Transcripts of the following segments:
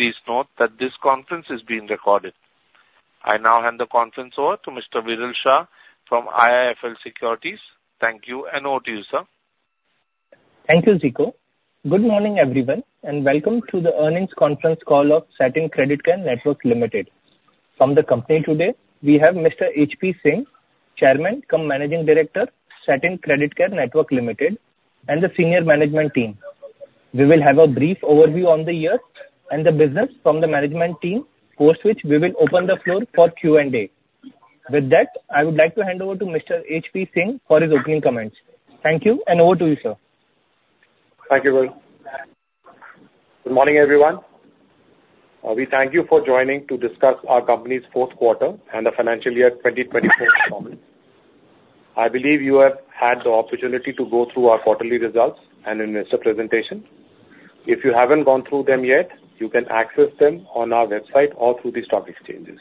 Please note that this conference is being recorded. I now hand the conference over to Mr. Viral Shah from IIFL Securities. Thank you, and over to you, sir. Thank you, Ziko. Good morning, everyone, and welcome to the earnings conference call of Satin Creditcare Network Limited. From the company today, we have Mr. HP Singh, Chairman cum Managing Director, Satin Creditcare Network Limited, and the senior management team. We will have a brief overview on the year and the business from the management team, post which we will open the floor for Q&A. With that, I would like to hand over to Mr. HP Singh for his opening comments. Thank you, and over to you, sir. Thank you, Viral. Good morning, everyone. We thank you for joining to discuss our company's fourth quarter and the financial year 2024 performance. I believe you have had the opportunity to go through our quarterly results and investor presentation. If you haven't gone through them yet, you can access them on our website or through the stock exchanges.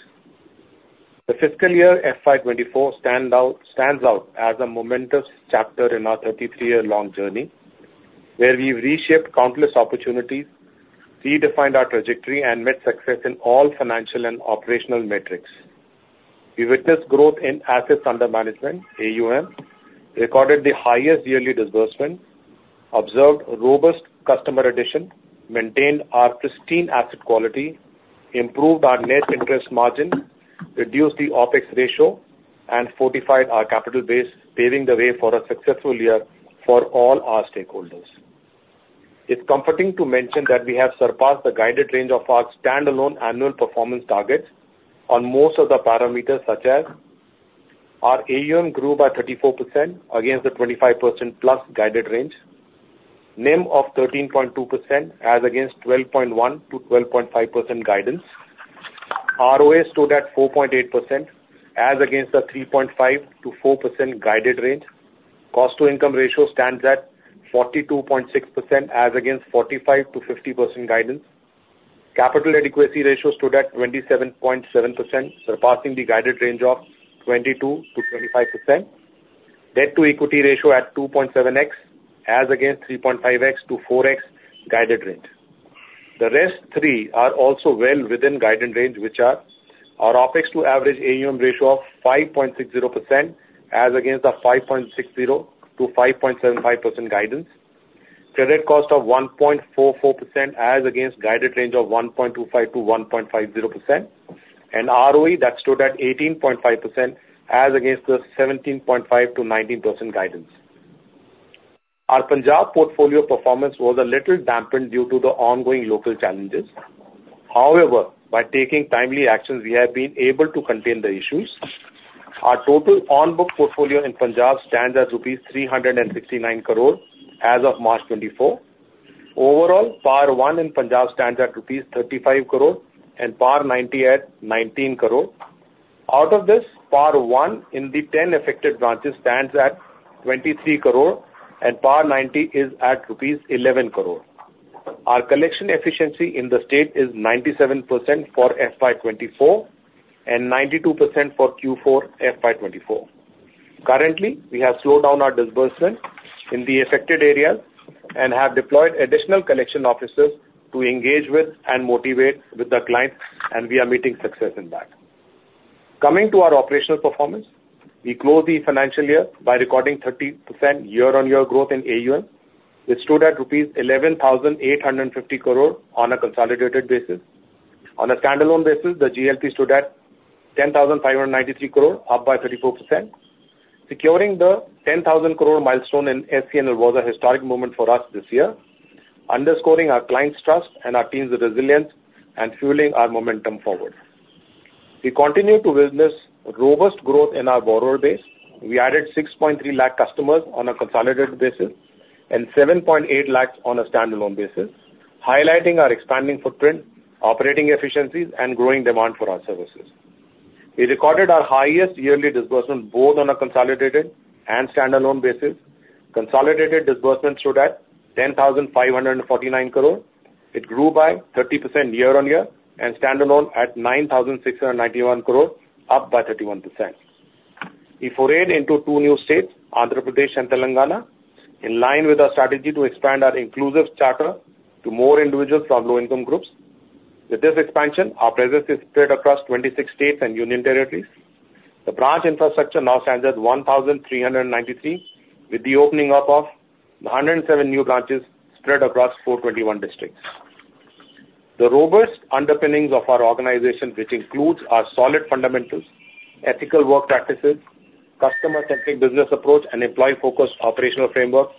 The fiscal year FY 2024 stand out, stands out as a momentous chapter in our 33-year-long journey, where we've reshaped countless opportunities, redefined our trajectory, and met success in all financial and operational metrics. We witnessed growth in assets under management, AUM, recorded the highest yearly disbursement, observed robust customer addition, maintained our pristine asset quality, improved our net interest margin, reduced the OpEx ratio, and fortified our capital base, paving the way for a successful year for all our stakeholders. It's comforting to mention that we have surpassed the guided range of our standalone annual performance targets on most of the parameters, such as our AUM grew by 34% against the 25%+ guided range. NIM of 13.2% as against 12.1%-12.5% guidance. ROA stood at 4.8% as against the 3.5%-4% guided range. Cost-to-income ratio stands at 42.6% as against 45%-50% guidance. Capital adequacy ratio stood at 27.7%, surpassing the guided range of 22%-25%. Debt-to-equity ratio at 2.7x, as against 3.5x-4x guided range. The rest three are also well within guided range, which are our OpEx to average AUM ratio of 5.60% as against a 5.60%-5.75% guidance. Credit cost of 1.44% as against guided range of 1.25%-1.50%, and ROE that stood at 18.5% as against the 17.5%-19% guidance. Our Punjab portfolio performance was a little dampened due to the ongoing local challenges. However, by taking timely actions, we have been able to contain the issues. Our total on-book portfolio in Punjab stands at INR 369 crore as of March 2024. Overall, PAR one in Punjab stands at INR 35 crore and PAR ninety at INR 19 crore. Out of this, PAR 1 in the 10 affected branches stands at INR 23 crore, and PAR 90 is at INR 11 crore. Our collection efficiency in the state is 97% for FY 2024 and 92% for Q4 FY 2024. Currently, we have slowed down our disbursement in the affected areas and have deployed additional collection officers to engage with and motivate with the clients, and we are meeting success in that. Coming to our operational performance, we closed the financial year by recording 30% year-on-year growth in AUM, which stood at rupees 11,850 crore on a consolidated basis. On a standalone basis, the GLP stood at 10,593 crore, up by 34%. Securing the 10,000 crore milestone in SC was a historic moment for us this year, underscoring our clients' trust and our team's resilience and fueling our momentum forward. We continue to witness robust growth in our borrower base. We added 6.3 lakh customers on a consolidated basis and 7.8 lakhs on a standalone basis, highlighting our expanding footprint, operating efficiencies, and growing demand for our services. We recorded our highest yearly disbursement, both on a consolidated and standalone basis. Consolidated disbursement stood at 10,549 crore. It grew by 30% year-on-year and standalone at 9,691 crore, up by 31%. We forayed into two new states, Andhra Pradesh and Telangana, in line with our strategy to expand our inclusive charter to more individuals from low-income groups. With this expansion, our presence is spread across 26 states and union territories. The branch infrastructure now stands at 1,393, with the opening up of 107 new branches spread across 421 districts. The robust underpinnings of our organization, which includes our solid fundamentals, ethical work practices, customer-centric business approach, and employee-focused operational framework,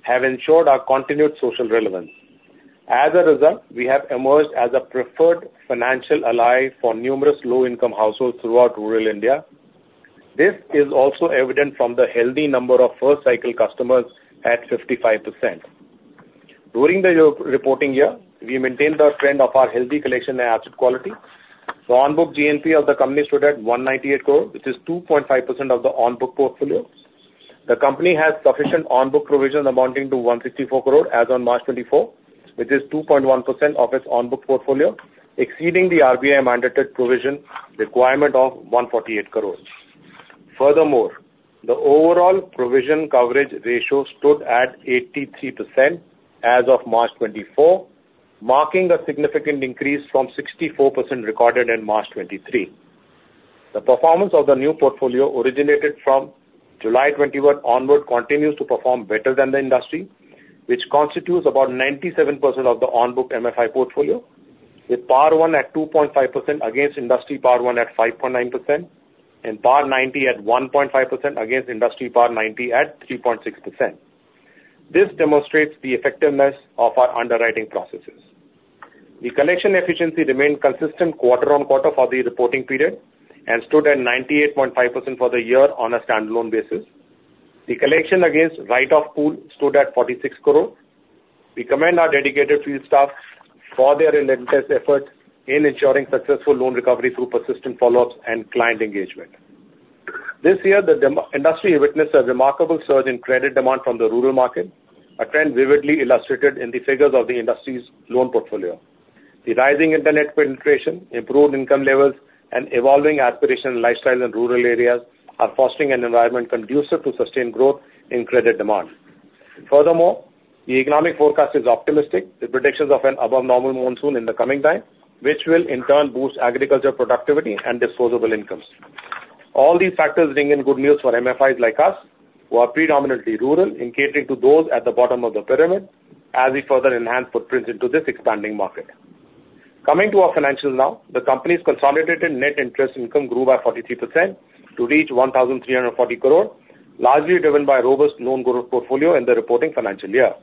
have ensured our continued social relevance. As a result, we have emerged as a preferred financial ally for numerous low-income households throughout rural India. This is also evident from the healthy number of first-cycle customers at 55%. During the year, reporting year, we maintained our trend of our healthy collection and asset quality. The on-book GNP of the company stood at 198 crore, which is 2.5% of the on-book portfolio. The company has sufficient on-book provision amounting to 154 crore as on March 2024, which is 2.1% of its on-book portfolio, exceeding the RBI-mandated provision requirement of 148 crore. Furthermore, the overall provision coverage ratio stood at 83% as of March 2024, marking a significant increase from 64% recorded in March 2023. The performance of the new portfolio originated from July 2021 onward, continues to perform better than the industry, which constitutes about 97% of the on-book MFI portfolio, with PAR 1 at 2.5% against industry PAR 1 at 5.9%, and PAR 90 at 1.5% against industry PAR 90 at 3.6%. This demonstrates the effectiveness of our underwriting processes. The collection efficiency remained consistent quarter-over-quarter for the reporting period and stood at 98.5% for the year on a standalone basis. The collection against write-off pool stood at 46 crore. We commend our dedicated field staff for their relentless efforts in ensuring successful loan recovery through persistent follow-ups and client engagement. This year, the MFI industry witnessed a remarkable surge in credit demand from the rural market, a trend vividly illustrated in the figures of the industry's loan portfolio. The rising internet penetration, improved income levels, and evolving aspiration and lifestyles in rural areas are fostering an environment conducive to sustained growth in credit demand. Furthermore, the economic forecast is optimistic, with predictions of an above normal monsoon in the coming time, which will in turn boost agriculture productivity and disposable incomes. All these factors bring in good news for MFIs like us, who are predominantly rural, in catering to those at the bottom of the pyramid, as we further enhance footprints into this expanding market. Coming to our financials now. The company's consolidated net interest income grew by 43% to reach 1,340 crore, largely driven by a robust loan growth portfolio in the reporting financial year.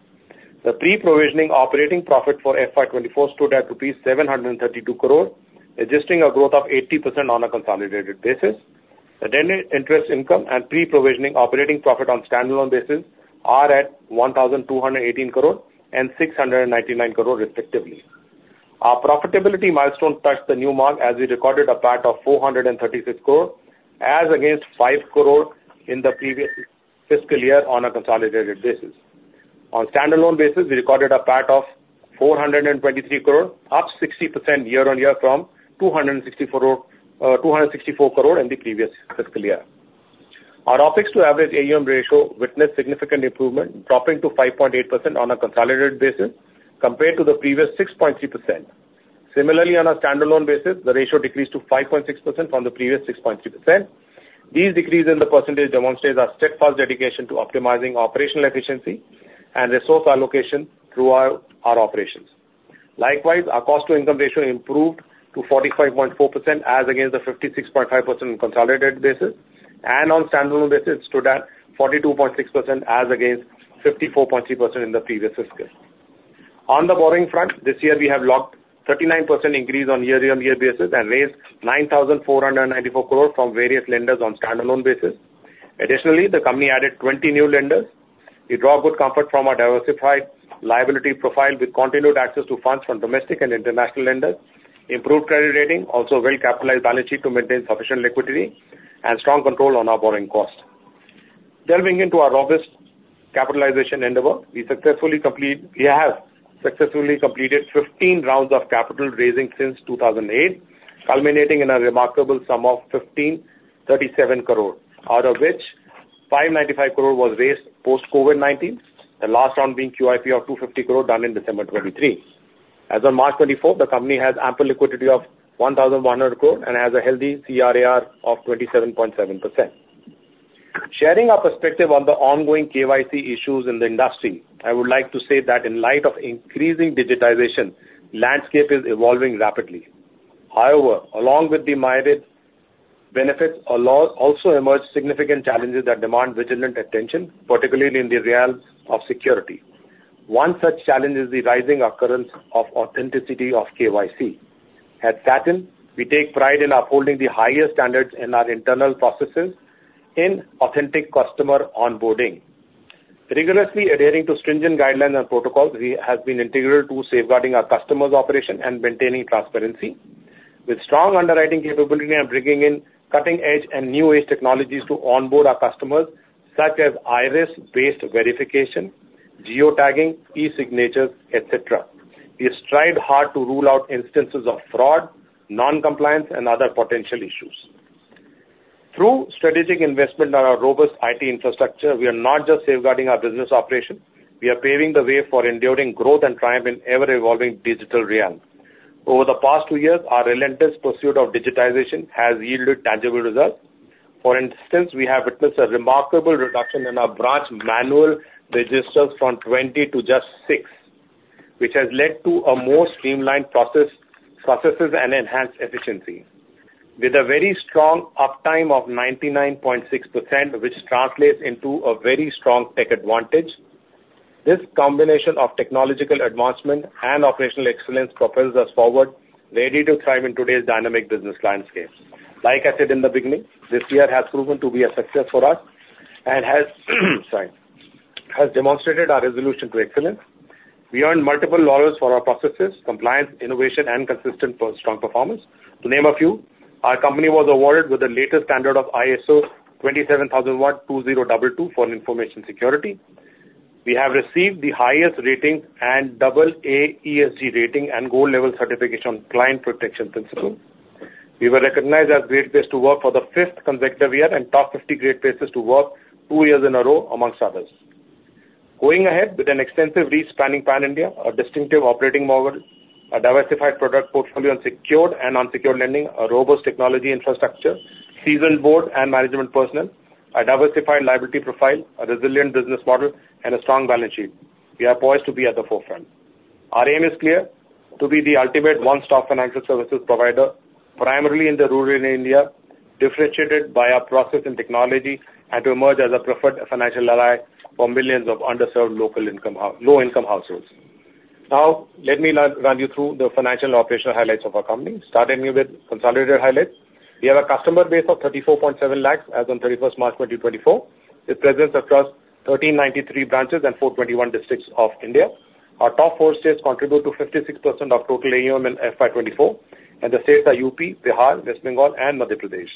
The pre-provisioning operating profit for FY 2024 stood at INR 732 crore, registering a growth of 80% on a consolidated basis. The net interest income and pre-provisioning operating profit on standalone basis are at 1,218 crore and 699 crore, respectively. Our profitability milestone touched a new mark, as we recorded a PAT of 436 crore, as against 5 crore in the previous fiscal year on a consolidated basis. On standalone basis, we recorded a PAT of 423 crore, up 60% year on year from 264, 264 crore in the previous fiscal year. Our OPEX to average AUM ratio witnessed significant improvement, dropping to 5.8% on a consolidated basis compared to the previous 6.3%. Similarly, on a standalone basis, the ratio decreased to 5.6% from the previous 6.3%. These decreases in the percentage demonstrates our steadfast dedication to optimizing operational efficiency and resource allocation throughout our operations. Likewise, our cost to income ratio improved to 45.4% as against the 56.5% on consolidated basis, and on standalone basis, stood at 42.6% as against 54.3% in the previous fiscal. On the borrowing front, this year we have locked 39% increase on year-on-year basis and raised 9,494 crore from various lenders on standalone basis. Additionally, the company added 20 new lenders. We draw good comfort from our diversified liability profile with continued access to funds from domestic and international lenders, improved credit rating, also a well-capitalized balance sheet to maintain sufficient liquidity and strong control on our borrowing cost. Delving into our robust capitalization endeavor, we have successfully completed 15 rounds of capital raising since 2008, culminating in a remarkable sum of 1,537 crore, out of which 595 crore was raised post-COVID-19, the last round being QIP of 250 crore done in December 2023. As on March 24, the company has ample liquidity of 1,100 crore and has a healthy CRAR of 27.7%. Sharing our perspective on the ongoing KYC issues in the industry, I would like to say that in light of increasing digitization, landscape is evolving rapidly. However, along with the myriad benefits, a lot also emerge significant challenges that demand vigilant attention, particularly in the realms of security. One such challenge is the rising occurrence of authenticity of KYC. At Satin, we take pride in upholding the highest standards in our internal processes in authentic customer onboarding. Rigorously adhering to stringent guidelines and protocols, we have been integral to safeguarding our customers' operation and maintaining transparency. With strong underwriting capability and bringing in cutting-edge and new age technologies to onboard our customers, such as iris-based verification, geotagging, e-signatures, et cetera, we have strived hard to rule out instances of fraud, non-compliance, and other potential issues. Through strategic investment in our robust IT infrastructure, we are not just safeguarding our business operations, we are paving the way for enduring growth and triumph in ever-evolving digital realm. Over the past two years, our relentless pursuit of digitization has yielded tangible results. For instance, we have witnessed a remarkable reduction in our branch manual registers from 20 to just 6, which has led to a more streamlined processes and enhanced efficiency. With a very strong uptime of 99.6%, which translates into a very strong tech advantage, this combination of technological advancement and operational excellence propels us forward, ready to thrive in today's dynamic business landscape. Like I said in the beginning, this year has proven to be a success for us and has, sorry, has demonstrated our resolution to excellence. We earned multiple laurels for our processes, compliance, innovation, and consistent for strong performance. To name a few, our company was awarded with the latest standard of ISO 27001:2022 for information security. We have received the highest rating and AA ESG rating and gold level certification on client protection principle. We were recognized as great place to work for the fifth consecutive year and top 50 great places to work 2 years in a row, amongst others. Going ahead with an extensive reach spanning Pan India, a distinctive operating model, a diversified product portfolio on secured and unsecured lending, a robust technology infrastructure, seasoned board and management personnel, a diversified liability profile, a resilient business model, and a strong balance sheet. We are poised to be at the forefront. Our aim is clear, to be the ultimate one-stop financial services provider, primarily in rural India, differentiated by our process and technology, and to emerge as a preferred financial ally for millions of underserved local income, low-income households. Now, let me run you through the financial operational highlights of our company. Starting with consolidated highlights. We have a customer base of 34.7 lakhs as on 31st March 2024, with presence across 1,393 branches and 421 districts of India. Our top four states contribute to 56% of total AUM in FY 2024, and the states are UP, Bihar, West Bengal, and Madhya Pradesh.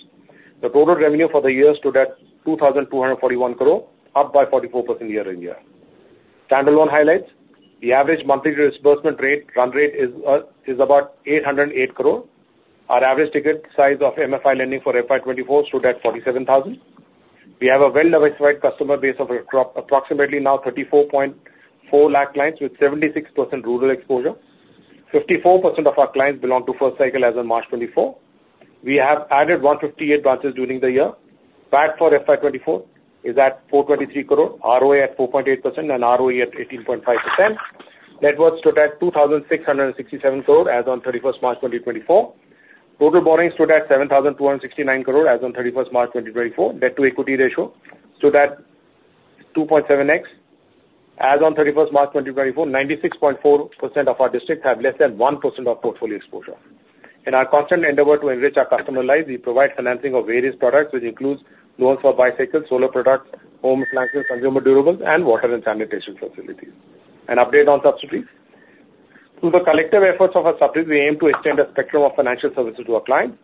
The total revenue for the year stood at 2,241 crore, up by 44% year-on-year. Standalone highlights. The average monthly disbursement rate, run rate is, is about 808 crore. Our average ticket size of MFI lending for FY 2024 stood at 47,000. We have a well-diversified customer base of approximately now 34.4 lakh clients, with 76% rural exposure. 54% of our clients belong to first cycle as of March 2024. We have added 158 branches during the year. PAT for FY 2024 is at 423 crore, ROA at 4.8% and ROE at 18.5%. Net worth stood at 2,667 crore as on 31 March 2024. Total borrowing stood at 7,269 crore as on 31 March 2024. Debt-to-equity ratio stood at 2.7x. As on 31 March 2024, 96.4% of our districts have less than 1% of portfolio exposure. In our constant endeavor to enrich our customer life, we provide financing of various products, which includes loans for bicycles, solar products, home financing, consumer durables, and water and sanitation facilities. An update on subsidiaries. Through the collective efforts of our subsidiaries, we aim to extend the spectrum of financial services to our clients.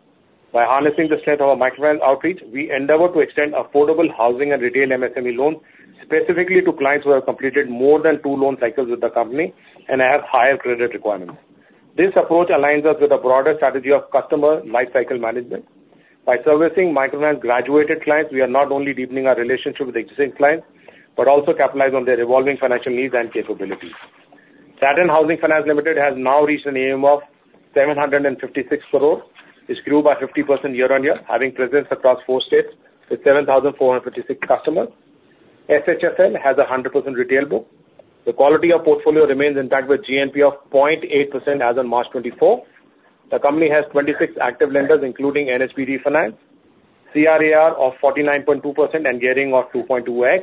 By harnessing the strength of our microfinance outreach, we endeavor to extend affordable housing and retail MSME loans, specifically to clients who have completed more than two loan cycles with the company and have higher credit requirements. This approach aligns us with a broader strategy of customer lifecycle management. By servicing microfinance graduated clients, we are not only deepening our relationship with existing clients, but also capitalize on their evolving financial needs and capabilities. Satin Housing Finance Limited has now reached an AUM of 756 crore, which grew by 50% year-on-year, having presence across 4 states with 7,456 customers. SHFL has a 100% retail book. The quality of portfolio remains intact, with GNPA of 0.8% as of March 2024. The company has 26 active lenders, including NSPDF Finance, CRAR of 49.2% and gearing of 2.2x.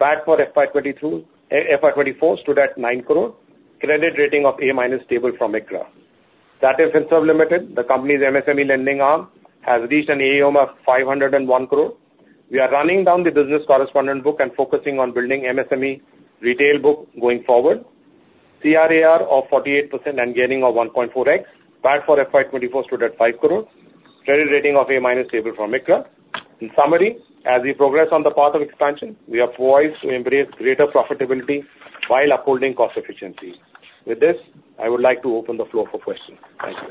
Bad for FY 2022, FY 2024 stood at 9 crore. Credit rating of A- stable from ICRA. Satin Finserv Limited, the company's MSME lending arm, has reached an AUM of 501 crore. We are running down the business correspondent book and focusing on building MSME retail book going forward. CRAR of 48% and gearing of 1.4x. Bad for FY 2024 stood at 5 crore. Credit rating of A- stable from ICRA. In summary, as we progress on the path of expansion, we are poised to embrace greater profitability while upholding cost efficiency. With this, I would like to open the floor for questions. Thank you.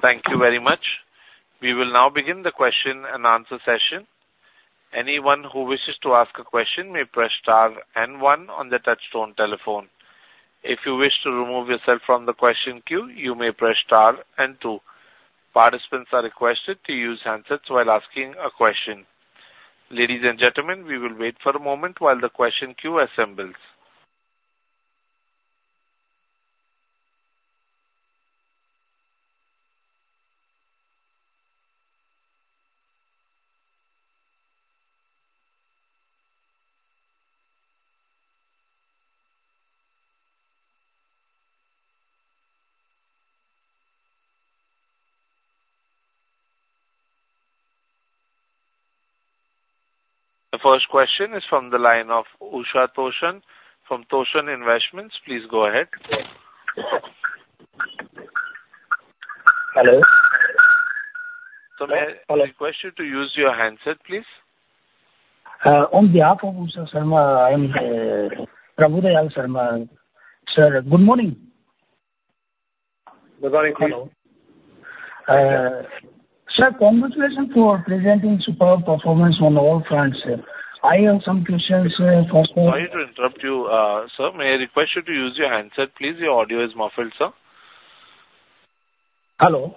Thank you very much. We will now begin the question and answer session. Anyone who wishes to ask a question may press star and one on the touchtone telephone. If you wish to remove yourself from the question queue, you may press star and two. Participants are requested to use handsets while asking a question. Ladies and gentlemen, we will wait for a moment while the question queue assembles. The first question is from the line of Usha Toshan from Toshan Investments. Please go ahead. Hello? Sir, may I request you to use your handset, please? On behalf of Usha Toshan, I'm Prabhu Dayal Sharma. Sir, good morning. Good morning, please. Sir, congratulations for presenting superb performance on all fronts, sir. I have some questions, sir. First of all- Sorry to interrupt you, sir. May I request you to use your handset, please? Your audio is muffled, sir. Hello?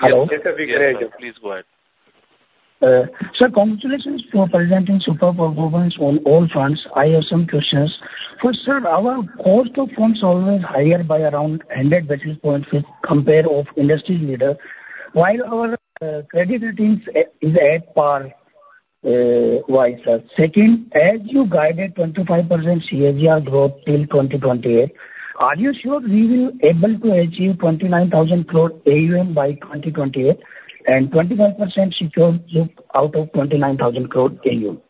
Hello. Yes, please, go ahead. Sir, congratulations to presenting superb performance on all fronts. I have some questions. First, sir, our cost of funds always higher by around 100 basis points compared to industry leader. While our credit ratings is at par, why, sir? Second, as you guided 25% CAGR growth till 2028, are you sure we will able to achieve 29,000 crore AUM by 2028 and 25% secured loan book out of 29,000 crore AUM?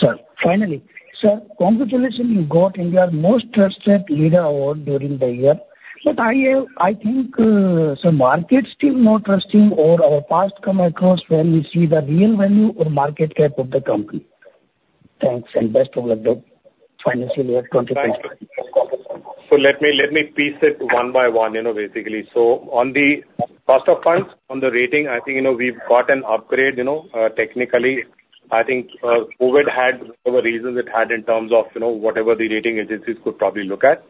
Sir, finally, sir, congratulations you got India's most trusted leader award during the year, but I think so market still not trusting or our past come across when we see the real value or market cap of the company.... Thanks, and best of luck the financial year 2020. So let me piece it one by one, you know, basically. So on the cost of funds, on the rating, I think, you know, we've got an upgrade, you know, technically, I think, COVID had whatever reasons it had in terms of, you know, whatever the rating agencies could probably look at.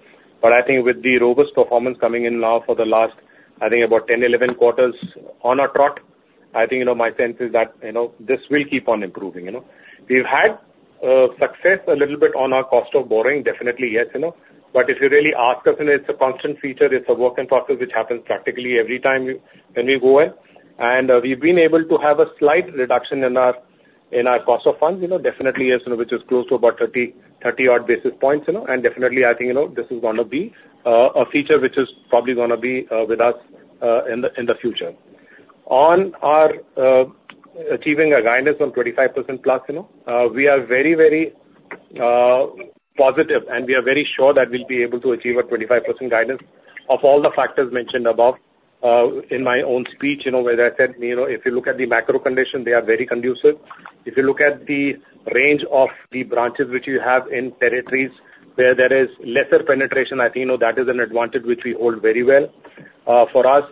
But I think with the robust performance coming in now for the last, I think about 10, 11 quarters on a trot, I think, you know, my sense is that, you know, this will keep on improving, you know. We've had success a little bit on our cost of borrowing. Definitely, yes, you know, but if you really ask us, and it's a constant feature, it's a work in process which happens practically every time when we go in. We've been able to have a slight reduction in our cost of funds, you know, definitely, yes, you know, which is close to about 30, 30 odd basis points, you know, and definitely I think, you know, this is gonna be a feature which is probably gonna be with us in the future. On our achieving a guidance on 25% plus, you know, we are very, very positive, and we are very sure that we'll be able to achieve a 25% guidance. Of all the factors mentioned above, in my own speech, you know, where I said, you know, if you look at the macro condition, they are very conducive. If you look at the range of the branches which you have in territories where there is lesser penetration, I think, you know, that is an advantage which we hold very well. For us,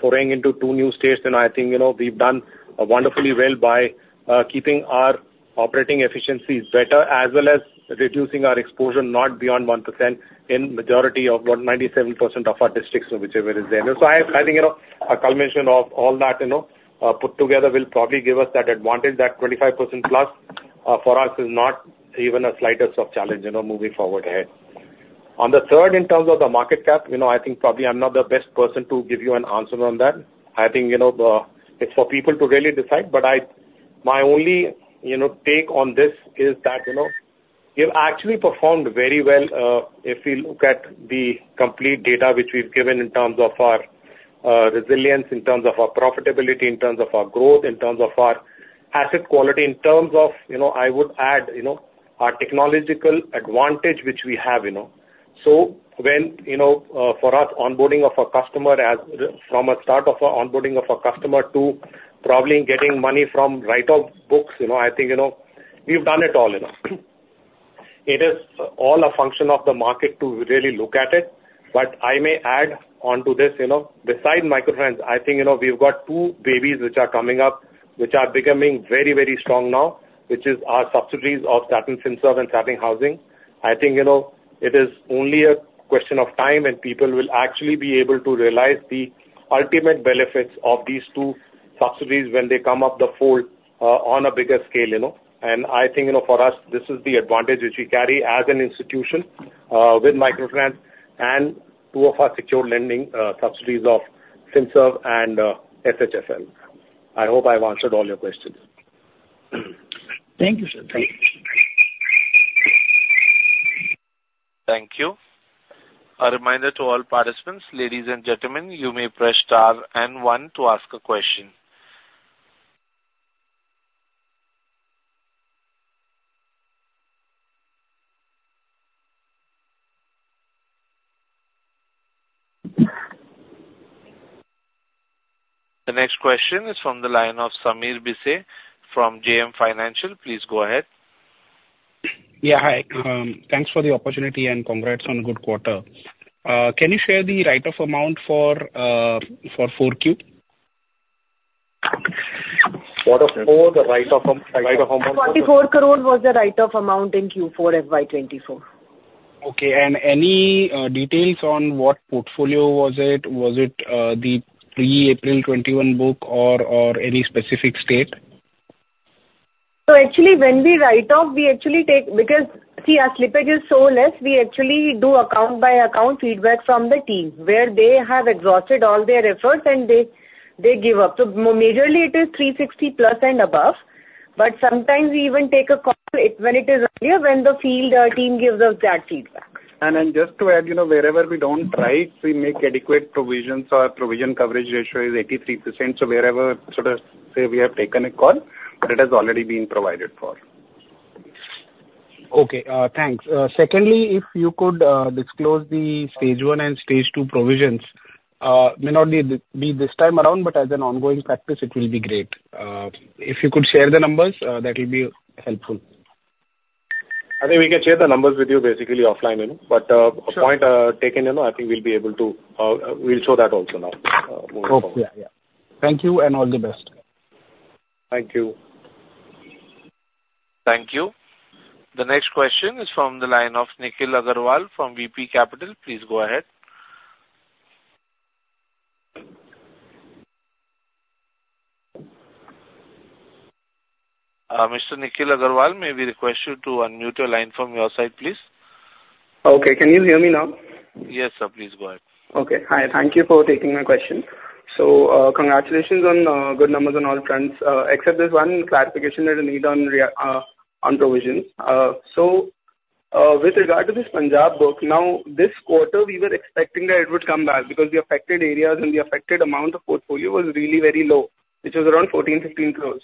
foraying into two new states, then I think, you know, we've done wonderfully well by keeping our operating efficiencies better, as well as reducing our exposure not beyond 1% in majority of about 97% of our districts, whichever is there. So I think, you know, a culmination of all that, you know, put together will probably give us that advantage. That 25%+, for us, is not even a slightest of challenge, you know, moving forward ahead. On the third, in terms of the market cap, you know, I think probably I'm not the best person to give you an answer on that. I think, you know, the... it's for people to really decide. But I, my only, you know, take on this is that, you know, we've actually performed very well, if we look at the complete data which we've given in terms of our, resilience, in terms of our profitability, in terms of our growth, in terms of our asset quality, in terms of, you know, I would add, you know, our technological advantage, which we have, you know. So when, you know, for us, onboarding of a customer as, from a start of a onboarding of a customer to probably getting money from write-off books, you know, I think, you know, we've done it all, you know. It is all a function of the market to really look at it. But I may add onto this, you know, besides microfinance, I think, you know, we've got two babies which are coming up, which are becoming very, very strong now, which is our subsidiaries of Satin Finserv and Satin Housing. I think, you know, it is only a question of time, and people will actually be able to realize the ultimate benefits of these two subsidiaries when they come up the fold, on a bigger scale, you know. And I think, you know, for us, this is the advantage which we carry as an institution, with microfinance and two of our secure lending, subsidiaries of Finserv and, SHFL. I hope I've answered all your questions. Thank you, sir. Thank you. Thank you. A reminder to all participants, ladies and gentlemen, you may press star and one to ask a question. The next question is from the line of Sameer Bhise from JM Financial. Please go ahead. Yeah, hi. Thanks for the opportunity, and congrats on a good quarter. Can you share the write-off amount for Q4? Q4, the write-off amount- 24 crore was the write-off amount in Q4 FY 2024. Okay. And any details on what portfolio was it? Was it the pre-April 2021 book or any specific state? So actually, when we write off, we actually take... Because, see, our slippage is so less, we actually do account-by-account feedback from the team, where they have exhausted all their efforts, and they, they give up. So majorly it is 360+ and above, but sometimes we even take a call it, when it is earlier, when the field team gives us that feedback. And then just to add, you know, wherever we don't write, we make adequate provisions. Our provision coverage ratio is 83%, so wherever, sort of, say, we have taken a call, it has already been provided for. Okay, thanks. Secondly, if you could disclose the stage one and stage two provisions, may not be this time around, but as an ongoing practice, it will be great. If you could share the numbers, that would be helpful. I think we can share the numbers with you basically offline, you know. But, Sure. A point taken, you know. I think we'll be able to. We'll show that also now, moving forward. Okay. Yeah. Thank you, and all the best. Thank you. Thank you. The next question is from the line of Nikhil Agarwal from BP Capital. Please go ahead. Mr. Nikhil Agarwal, may we request you to unmute your line from your side, please? Okay. Can you hear me now? Yes, sir. Please go ahead. Okay. Hi, thank you for taking my question. So, congratulations on good numbers on all fronts, except there's one clarification that I need on provisions. So, with regard to this Punjab book, now, this quarter, we were expecting that it would come back because the affected areas and the affected amount of portfolio was really very low, which was around 14-15 crores.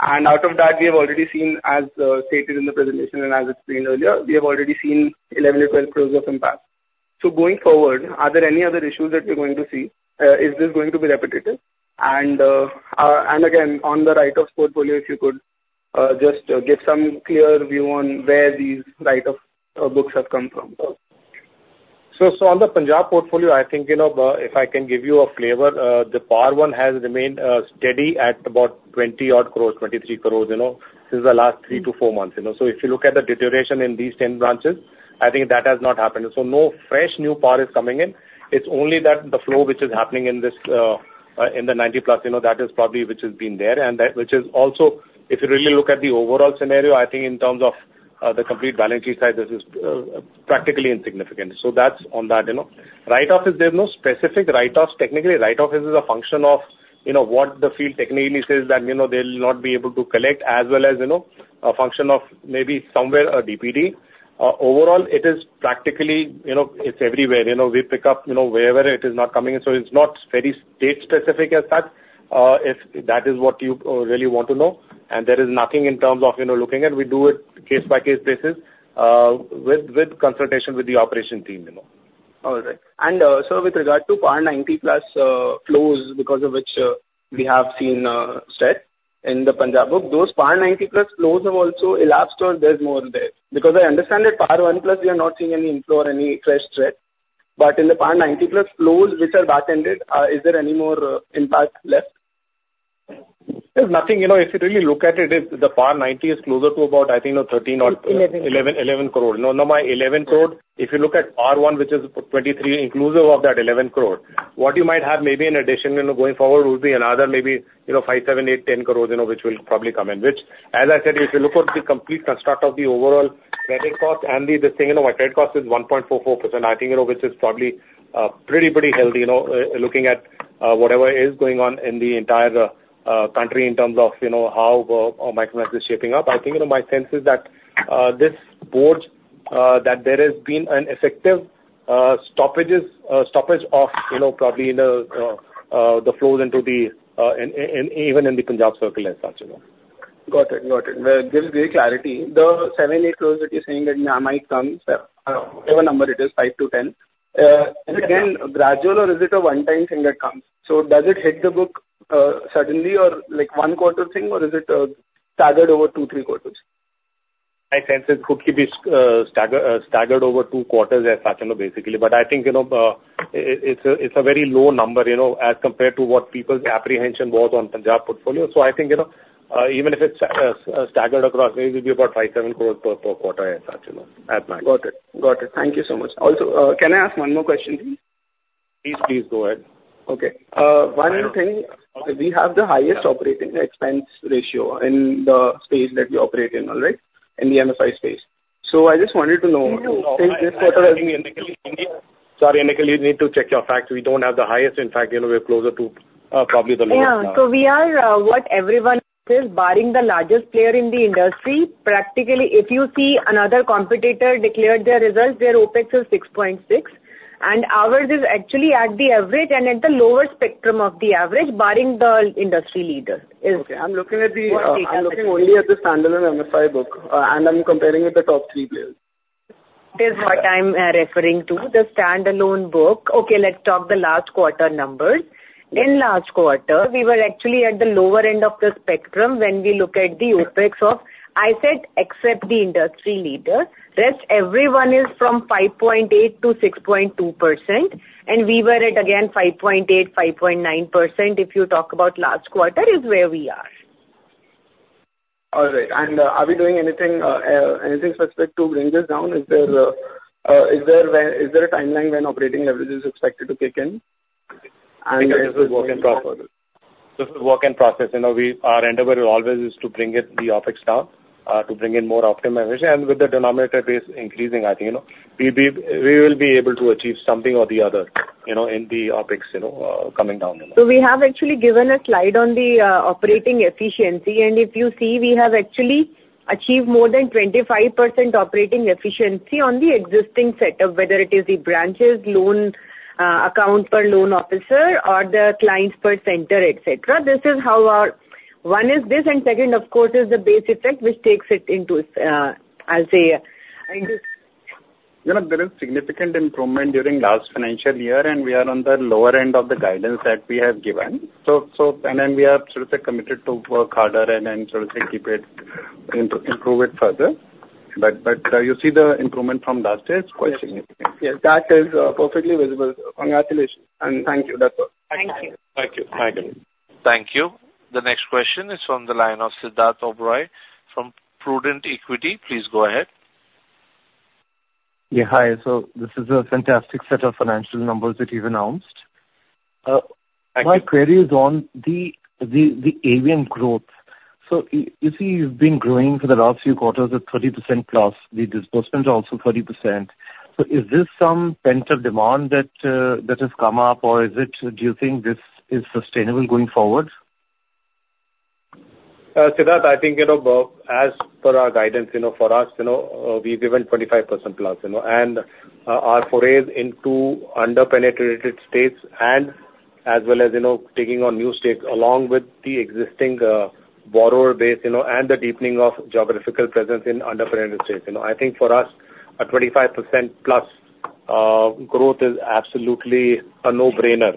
And out of that, we have already seen, as stated in the presentation and as explained earlier, we have already seen 11-12 crores of impact.... So going forward, are there any other issues that we're going to see? Is this going to be repetitive? And, and again, on the write-offs portfolio, if you could just give some clear view on where these write-off books have come from? So on the Punjab portfolio, I think, you know, if I can give you a flavor, the PAR 1 has remained steady at about 20-odd crore, 23 crore, you know, since the last 3-4 months, you know. So if you look at the deterioration in these 10 branches, I think that has not happened. So no fresh new PAR is coming in. It's only that the flow which is happening in this, in the 90-plus, you know, that is probably which has been there, and that which is also, if you really look at the overall scenario, I think in terms of the complete balance sheet side, this is practically insignificant. So that's on that, you know. Write-offs, there's no specific write-offs. Technically, write-offs is a function of, you know, what the field technically says that, you know, they'll not be able to collect, as well as, you know, a function of maybe somewhere a DPD. Overall, it is practically, you know, it's everywhere. You know, we pick up, you know, wherever it is not coming in, so it's not very state specific as such. If that is what you really want to know, and there is nothing in terms of, you know, looking at. We do it case-by-case basis with consultation with the operation team, you know. All right. So with regard to PAR 90+ flows, because of which we have seen setback in the Punjab book, those PAR 90+ flows have also elapsed or there's more there? Because I understand that PAR 1+, we are not seeing any inflow or any fresh threat, but in the PAR 90+ flows which are backended, is there any more impact left? There's nothing. You know, if you really look at it, the PAR 90 is closer to about, I think, you know, 13 or- Eleven. 11 crore. No, no, my 11 crore. If you look at PAR 1, which is 23, inclusive of that 11 crore, what you might have maybe in addition, you know, going forward, will be another maybe, you know, 5 crore, 7 crore, 8 crore, 10 crore, you know, which will probably come in. Which, as I said, if you look at the complete construct of the overall credit cost and the, this thing, you know, our credit cost is 1.44%, I think, you know, which is probably pretty, pretty healthy, you know, looking at whatever is going on in the entire country in terms of, you know, how micro is shaping up. I think, you know, my sense is that this board that there has been an effective stoppage of, you know, probably, you know, the flows into the in, in even in the Punjab Circle as such, you know. Got it. Got it. Well, gives great clarity. The 7-8 crores that you're saying that might come, whatever number it is, 5-10. And again, gradual or is it a one-time thing that comes? So does it hit the book suddenly or like one quarter thing, or is it staggered over 2, 3 quarters? I sense it could be staggered over two quarters as such, you know, basically. But I think, you know, it's a very low number, you know, as compared to what people's apprehension was on Punjab portfolio. So I think, you know, even if it's staggered across, maybe it will be about 5-7 crore per quarter as such, you know, at max. Got it. Got it. Thank you so much. Also, can I ask one more question, please? Please, please go ahead. Okay. Why do you think we have the highest operating expense ratio in the space that we operate in, all right? In the MFI space. So I just wanted to know- Sorry, Anikil, you need to check your facts. We don't have the highest. In fact, you know, we're closer to, probably the lowest. Yeah. So we are what everyone says, barring the largest player in the industry. Practically, if you see another competitor declared their results, their OpEx is 6.6, and ours is actually at the average and at the lower spectrum of the average, barring the industry leader. Okay. I'm looking only at the standalone MFI book, and I'm comparing with the top three players. This is what I'm referring to, the standalone book. Okay, let's talk the last quarter numbers. In last quarter, we were actually at the lower end of the spectrum when we look at the OpEx of, I said, except the industry leader. Rest, everyone is from 5.8%-6.2%, and we were at, again, 5.8, 5.9%, if you talk about last quarter, is where we are. All right. And, are we doing anything specific to bring this down? Is there a timeline when operating leverage is expected to kick in? And- This is work in process. This is work in process. You know, our endeavor always is to bring it, the OpEx down, to bring in more optimization. And with the denominator base increasing, I think, you know, we will be able to achieve something or the other, you know, in the OpEx coming down. So we have actually given a slide on the operating efficiency. And if you see, we have actually achieved more than 25% operating efficiency on the existing setup, whether it is the branches, loan account per loan officer, or the clients per center, et cetera. This is how our... One is this, and second, of course, is the base effect, which takes it into, I'll say, You know, there is significant improvement during last financial year, and we are on the lower end of the guidance that we have given. So, and then we are sort of committed to work harder and then sort of keep it, improve it further. But, you see the improvement from last year, it's quite significant. Yes, that is, perfectly visible. Congratulations, and thank you. That's all. Thank you. Thank you. Thank you. Thank you. The next question is from the line of Siddharth Oberoi from Prudent Equity. Please go ahead. Yeah, hi. This is a fantastic set of financial numbers that you've announced. Thank you. My query is on the AUM growth. So you see, you've been growing for the last few quarters at 30%+. The disbursements are also 30%. So is this some pent-up demand that has come up, or is it... Do you think this is sustainable going forward? Siddharth, I think, you know, as per our guidance, you know, for us, you know, we've given 25%+, you know, and our forays into under-penetrated states and as well as, you know, taking on new states, along with the existing borrower base, you know, and the deepening of geographical presence in under-penetrated states. You know, I think for us, a 25%+ growth is absolutely a no-brainer,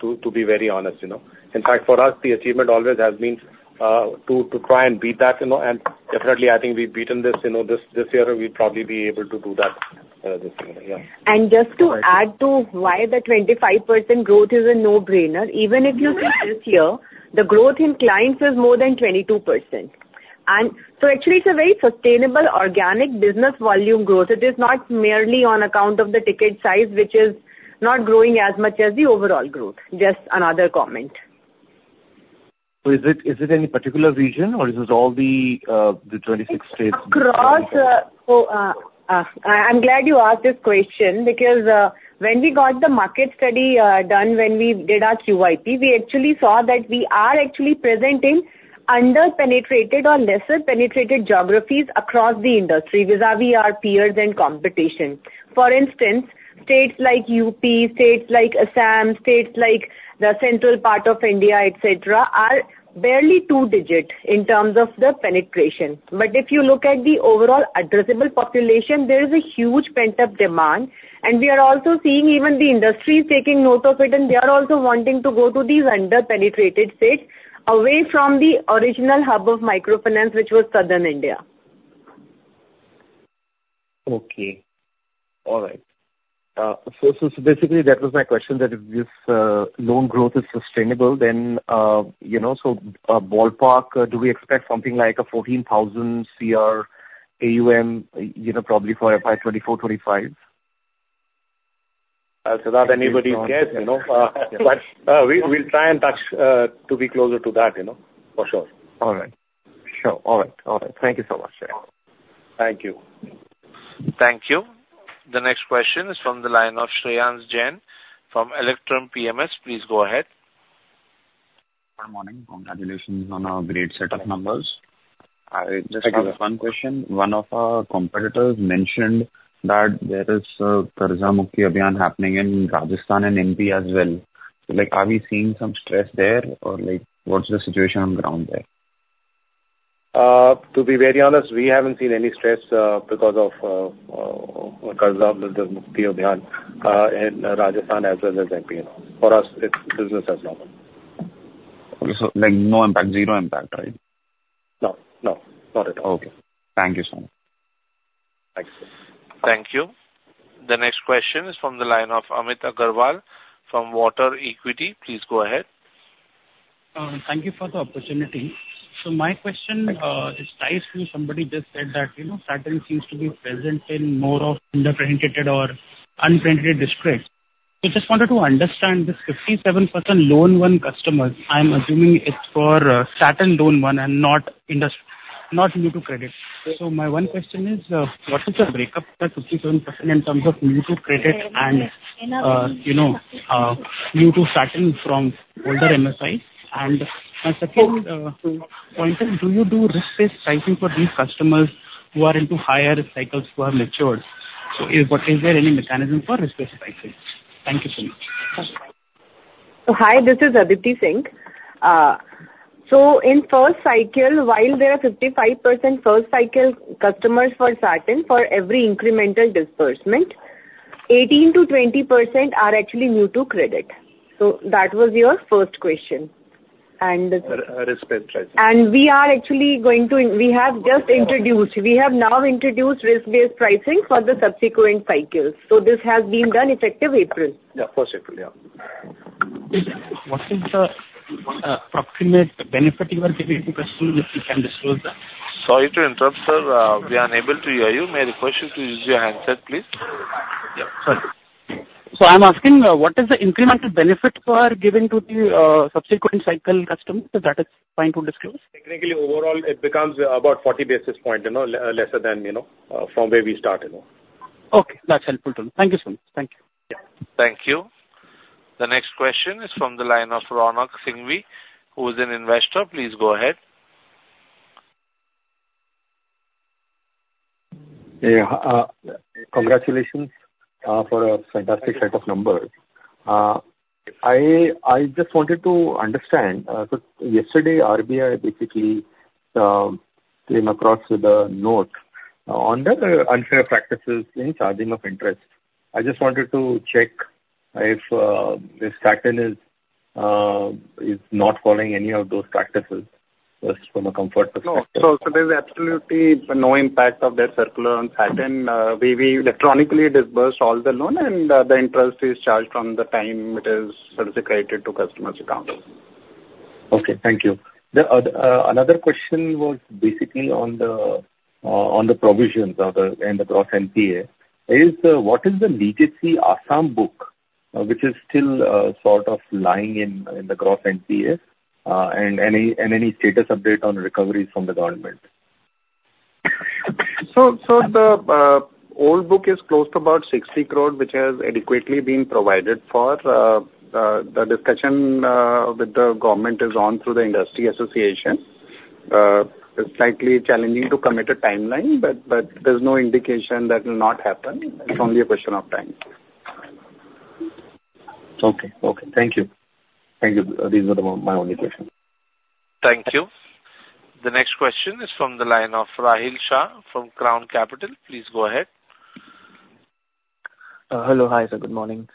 to be very honest, you know. In fact, for us, the achievement always has been to try and beat that, you know, and definitely I think we've beaten this. You know, this year we'll probably be able to do that, this year. Yeah. Just to add to why the 25% growth is a no-brainer. Even if you see this year, the growth in clients is more than 22%. So actually it's a very sustainable organic business volume growth. It is not merely on account of the ticket size, which is not growing as much as the overall growth. Just another comment. So is it, is it any particular region or is this all the 26 states? So, I'm glad you asked this question, because when we got the market study done, when we did our QIP, we actually saw that we are actually present in under-penetrated or lesser penetrated geographies across the industry, vis-a-vis our peers and competition. For instance, states like UP, states like Assam, states like the central part of India, et cetera, are barely two-digit in terms of the penetration. But if you look at the overall addressable population, there is a huge pent-up demand, and we are also seeing even the industry taking note of it, and they are also wanting to go to these under-penetrated states, away from the original hub of microfinance, which was southern India. Okay. All right. So, so basically, that was my question, that if this loan growth is sustainable, then, you know, so, ballpark, do we expect something like a 14,000 crore AUM, you know, probably for FY 2024-25? Siddharth, anybody's guess, you know, but we, we'll try and touch to be closer to that, you know, for sure. All right. Sure. All right. All right. Thank you so much. Thank you. Thank you. The next question is from the line of Shreyansh Jain from Electrum PMS. Please go ahead. Good morning. Congratulations on a great set of numbers. Thank you. I just have one question. One of our competitors mentioned that there is a Karza Maafi Abhiyan happening in Rajasthan and MP as well. So, like, are we seeing some stress there, or, like, what's the situation on the ground there? To be very honest, we haven't seen any stress because of Karza Maafi Abhiyan in Rajasthan as well as MP. For us, it's business as normal. Okay, so, like, no impact, zero impact, right? No, no, not at all. Okay. Thank you, sir. Thanks. Thank you. The next question is from the line of Amit Agarwal from WaterEquity. Please go ahead. Thank you for the opportunity. So my question is tied to somebody just said that, you know, Satin seems to be present in more of under-penetrated or unpenetrated districts. So just wanted to understand, this 57% loan one customers, I'm assuming it's for Satin loan one and not new to credit. So my one question is, what is the breakup for 57% in terms of new to credit and, you know, new to Satin from older MSIs? And my second point is, do you do risk-based pricing for these customers who are into higher risk cycles who are matured? So is there any mechanism for risk-based pricing? Thank you so much. Hi, this is Aditi Singh. So in first cycle, while there are 55% first cycle customers for Satin, for every incremental disbursement, 18%-20% are actually new to credit. So that was your first question. And- Risk-based pricing. We are actually going to... We have just introduced, we have now introduced risk-based pricing for the subsequent cycles, so this has been done effective April. Yeah, first April, yeah. What is the approximate benefit you are giving to customers, if you can disclose that? Sorry to interrupt, sir. We are unable to hear you. May I request you to use your handset, please? Yeah. Sorry. So I'm asking, what is the incremental benefit you are giving to the subsequent cycle customers? If that is fine to disclose. Technically, overall, it becomes about 40 basis points, you know, lesser than, you know, from where we start, you know? Okay, that's helpful to know. Thank you, sir. Thank you. Yeah. Thank you. The next question is from the line of Ronak Singhvi, who is an investor. Please go ahead. Yeah, congratulations for a fantastic set of numbers. I, I just wanted to understand, so yesterday, RBI basically came across with a note on the unfair practices in charging of interest. I just wanted to check if, if Satin is, is not following any of those practices, just from a comfort perspective. No. So, there's absolutely no impact of that circular on Satin. We electronically disburse all the loan, and the interest is charged from the time it is credited to customer's account. Okay, thank you. Another question was basically on the provisions and the gross NPA. What is the legacy Assam book, which is still sort of lying in the gross NPA, and any status update on recoveries from the government? So the old book is close to about 60 crore, which has adequately been provided for. The discussion with the government is on through the industry association. It's slightly challenging to commit a timeline, but there's no indication that will not happen. It's only a question of time. Okay. Okay. Thank you. Thank you. These are my only questions. Thank you. The next question is from the line of Rahil Shah from Crown Capital. Please go ahead. Hello. Hi, sir. Good morning.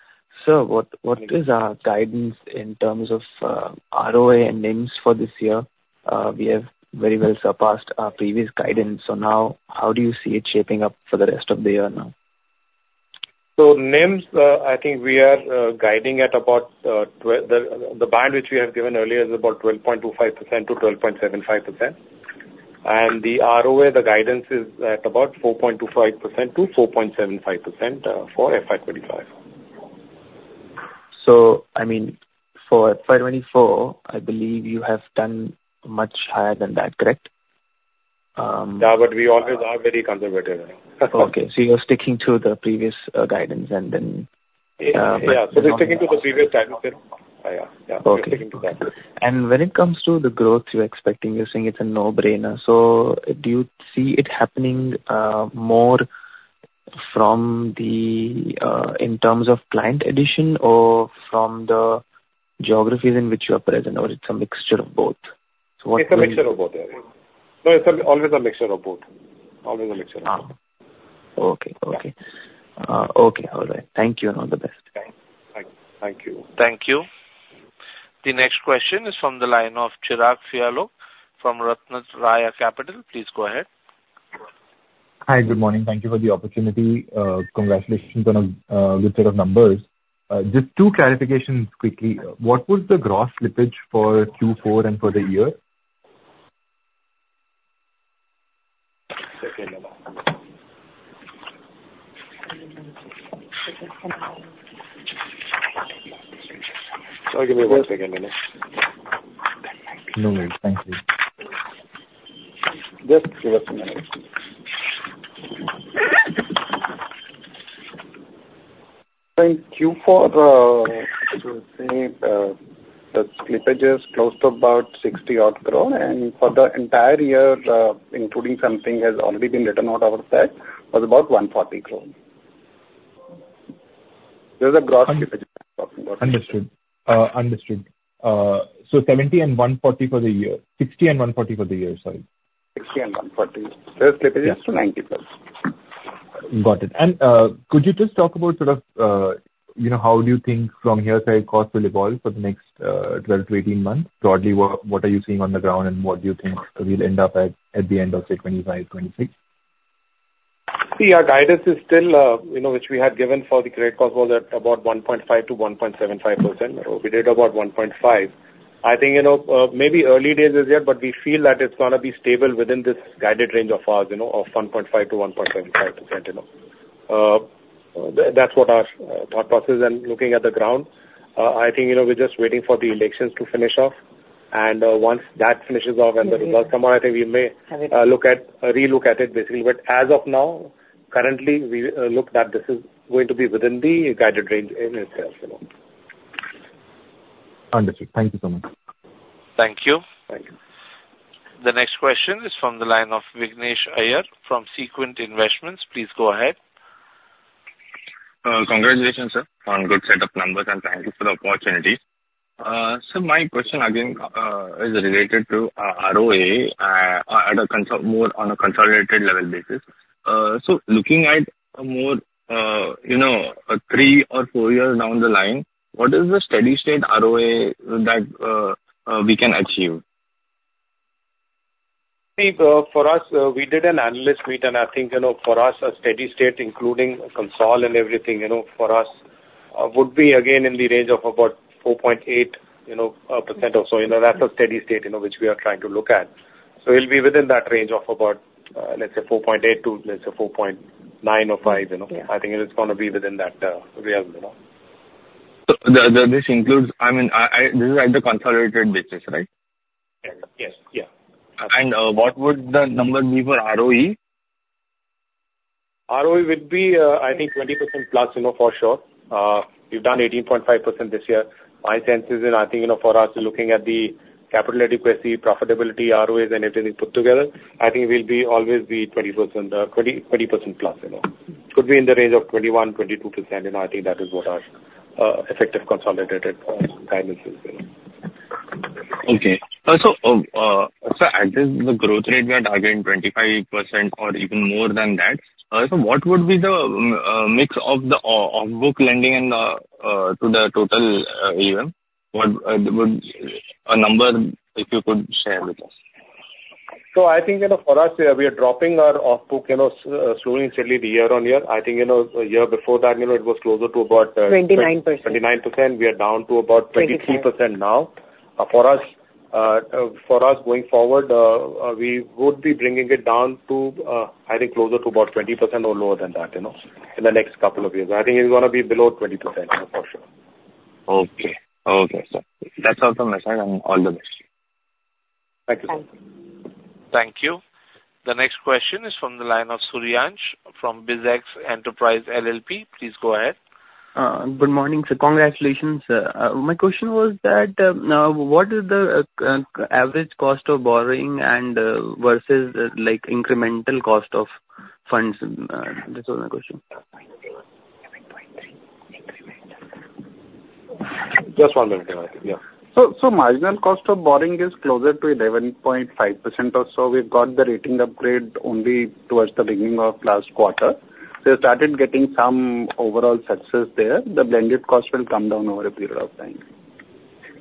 Sir, what is our guidance in terms of ROA and NIMS for this year? We have very well surpassed our previous guidance, so now, how do you see it shaping up for the rest of the year now? NIM, I think we are guiding at about the band which we have given earlier is about 12.25%-12.75%. The ROA, the guidance is at about 4.25%-4.75% for FY 2025. I mean, for FY 2024, I believe you have done much higher than that, correct? Yeah, but we always are very conservative. Okay. So you're sticking to the previous guidance and then, Yeah, so we're sticking to the previous guidance, yeah. Okay. Yeah, sticking to that. When it comes to the growth you're expecting, you're saying it's a no-brainer. Do you see it happening, more from the, in terms of client addition or from the geographies in which you are present, or it's a mixture of both? It's a mixture of both. So it's always a mixture of both. Always a mixture of both. Ah, okay. Okay. Yeah. Okay. All right. Thank you, and all the best. Thank you. Thank you. Thank you. The next question is from the line of Chirag Fialoke from Ratnatraya Capital. Please go ahead. Hi, good morning. Thank you for the opportunity. Congratulations on a good set of numbers. Just two clarifications quickly. What was the gross slippage for Q4 and for the year? Give me one second, please. No worries. Thank you. Just give us a minute. In Q4, I would say, the slippage is close to about 60 odd crore, and for the entire year, including something has already been written off our side, was about 140 crore. There's a gross slippage I'm talking about. Understood. Understood. So 70 and 140 for the year. 60 and 140 for the year, sorry. 60 and 140. Yeah. The slippage is to 90%. Got it. And, could you just talk about sort of, you know, how do you think from here, say, cost will evolve for the next 12-18 months? Broadly, what, what are you seeing on the ground, and what do you think we'll end up at, at the end of, say, 2025, 2026? See, our guidance is still, you know, which we had given for the credit cost was at about 1.5%-1.75%. We did about 1.5. I think, you know, maybe early days is yet, but we feel that it's gonna be stable within this guided range of ours, you know, of 1.5%-1.75%, you know. That's what our thought process is, and looking at the ground, I think, you know, we're just waiting for the elections to finish off, and, once that finishes off and the results come out, I think we may- Have it. look at, relook at it, basically. But as of now, currently, we look that this is going to be within the guided range in itself, you know? Understood. Thank you so much. Thank you. Thank you. The next question is from the line of Vignesh Iyer from Sequent Investments. Please go ahead. Congratulations, sir, on good set of numbers, and thank you for the opportunity. So my question again is related to ROA, more on a consolidated level basis. So looking more, you know, three or four years down the line, what is the steady state ROA that we can achieve? For us, we did an analyst meet, and I think, you know, for us, a steady state, including console and everything, you know, for us, would be again in the range of about 4.8%, you know, or so. You know, that's a steady state, you know, which we are trying to look at. So it'll be within that range of about, let's say 4.8%-4.9% or 5%, you know? Yeah. I think it's gonna be within that realm, you know. So this includes, I mean, this is at the consolidated basis, right? Yes. Yes. Yeah. What would the number be for ROE? ROE would be, I think 20%+, you know, for sure. We've done 18.5% this year. My sense is, and I think, you know, for us, looking at the capital adequacy, profitability, ROEs, and everything put together, I think we'll be always be 20%, twenty, 20%+, you know. Could be in the range of 21, 22%, and I think that is what our, effective consolidated, guidance is there. Okay. So at this, the growth rate, we are targeting 25% or even more than that. So what would be the mix of the off-book lending and to the total AUM? What would... A number, if you could share with us? So I think, you know, for us, we are dropping our off-book, you know, slowly and steadily year on year. I think, you know, a year before that, you know, it was closer to about, Twenty-nine percent. 29%. We are down to about- Twenty-three. -23% now. For us, for us going forward, we would be bringing it down to, I think, closer to about 20% or lower than that, you know, in the next couple of years. I think it's gonna be below 20%, for sure. Okay. Okay, sir. That's all from my side, and all the best. Thank you. Thank you. Thank you... The next question is from the line of Suryansh, from BizX Enterprise LLP. Please go ahead. Good morning, sir. Congratulations. My question was that, what is the average cost of borrowing and versus, like, incremental cost of funds? This was my question. Just one minute, yeah. So, marginal cost of borrowing is closer to 11.5% or so. We've got the rating upgrade only towards the beginning of last quarter. We started getting some overall success there. The blended cost will come down over a period of time.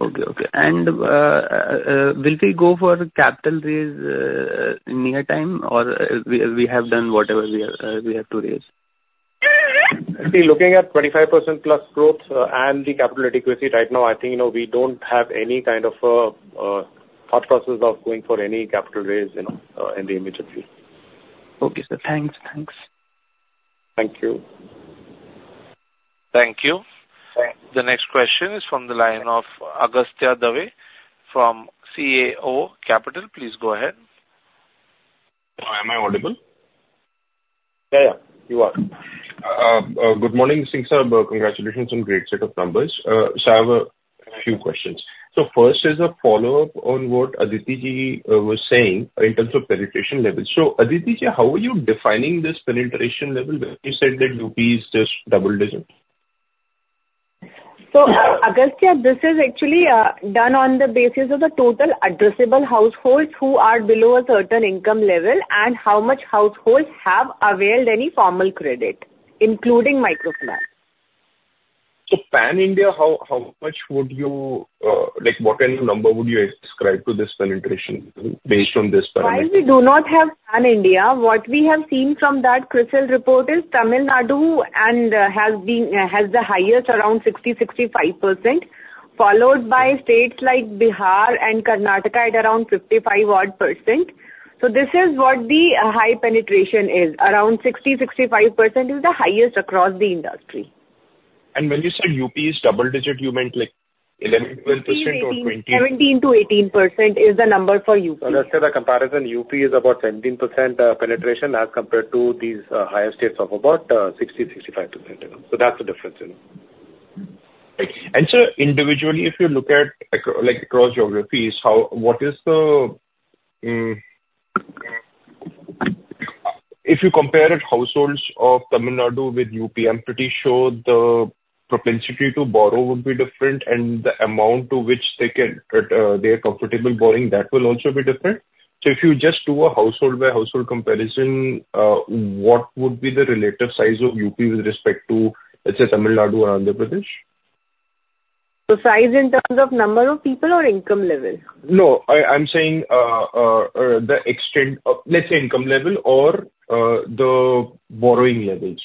Okay, okay. And, will we go for capital raise in near time, or we have done whatever we are, we have to raise? See, looking at 25%+ growth, and the capital adequacy right now, I think, you know, we don't have any kind of, thought process of going for any capital raise, you know, in the immediate future. Okay, sir. Thanks, thanks. Thank you. Thank you. Thanks. The next question is from the line of Agastya Dave from CAO Capital. Please go ahead. Am I audible? Yeah, yeah, you are. Good morning, Singh sir. Congratulations on great set of numbers. So I have a few questions. So first is a follow-up on what Aditi Ji was saying in terms of penetration levels. So Aditi Ji, how are you defining this penetration level, where you said that UP is just double digits? Agastya, this is actually done on the basis of the total addressable households who are below a certain income level, and how much households have availed any formal credit, including microfinance. So pan-India, how much would you... like, what kind of number would you ascribe to this penetration, based on this parameter? While we do not have Pan India, what we have seen from that Crystal report is Tamil Nadu and has been has the highest, around 60%-65%, followed by states like Bihar and Karnataka at around 55 odd %. So this is what the high penetration is. Around 60%-65% is the highest across the industry. When you said UP is double digit, you meant like 11, 12% or 20%? 17%-18% is the number for UP. Let's say the comparison, UP is about 17% penetration as compared to these higher states of about 60%-65%. So that's the difference, you know. And so individually, if you look at across geographies, how what is the. If you compare the households of Tamil Nadu with UP, I'm pretty sure the propensity to borrow would be different, and the amount to which they can they are comfortable borrowing, that will also be different. So if you just do a household by household comparison, what would be the relative size of UP with respect to, let's say, Tamil Nadu or Andhra Pradesh? The size in terms of number of people or income level? No, I'm saying, the extent of, let's say, income level or, the borrowing levels.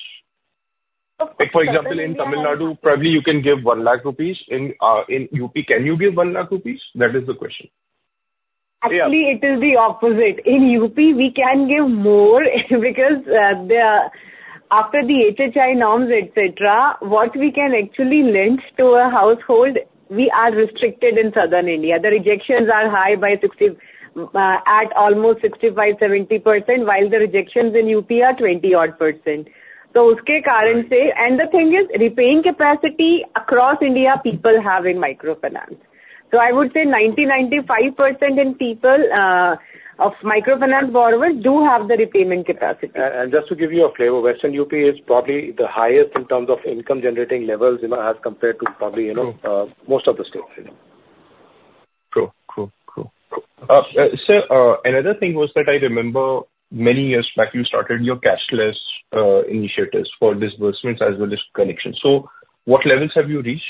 Of course- Like, for example, in Tamil Nadu, probably you can give 1 lakh rupees. In UP, can you give 1 lakh rupees? That is the question. Actually, it is the opposite. In UP, we can give more because, after the HHI norms, et cetera, what we can actually lend to a household, we are restricted in southern India. The rejections are high by 60, at almost 65-70%, while the rejections in UP are 20-odd%. So uske karan se, and the thing is, repaying capacity across India, people have in microfinance. So I would say 90-95% of people of microfinance borrowers do have the repayment capacity. And just to give you a flavor, western UP is probably the highest in terms of income generating levels, you know, as compared to probably, you know. True. most of the states, you know. True, true, true. Sir, another thing was that I remember many years back, you started your cashless initiatives for disbursements as well as collections. So what levels have you reached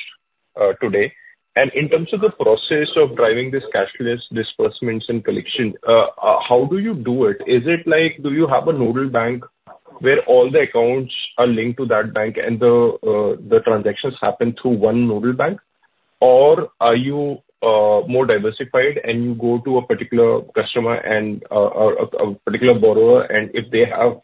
today? And in terms of the process of driving this cashless disbursements and collection, how do you do it? Is it like, do you have a nodal bank where all the accounts are linked to that bank and the transactions happen through one nodal bank? Or are you more diversified, and you go to a particular customer and a particular borrower, and if they have,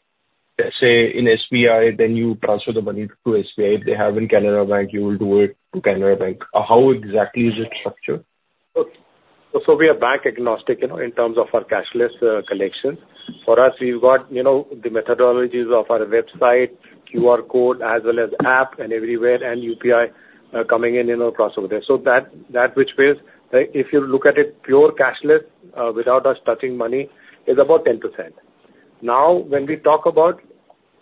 let's say, in SBI, then you transfer the money to SBI. If they have in Canara Bank, you will do it to Canara Bank. How exactly is it structured? So, so we are bank agnostic, you know, in terms of our cashless, collection. For us, we've got, you know, the methodologies of our website, QR code, as well as app and everywhere, and UPI, coming in, you know, across over there. So that, that which pays, if you look at it, pure cashless, without us touching money, is about 10%. Now, when we talk about